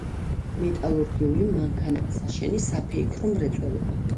მეტალურგიული, მანქანათსაშენი, საფეიქრო მრეწველობა.